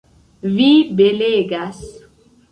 Vi belegas!